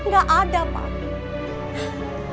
ga ada pak